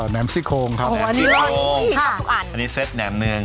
แมมซี่โคงครับแหมซี่โคงทุกอันอันนี้เซ็ตแหนมเนือง